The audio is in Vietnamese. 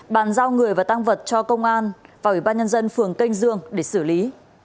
bàn giao người và tăng vật cho công an và ủy ban nhân dân phường canh dương để xử lý